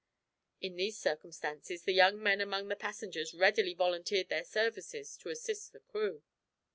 In these circumstances the young men among the passengers readily volunteered their services to assist the crew.